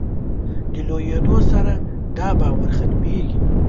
د لویېدو سره دا باور ختمېږي.